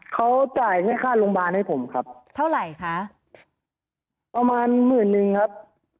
เขาจ่ายให้ค่าโรงพยาบาลให้ผมครับเท่าไหร่คะประมาณหมื่นนึงครับ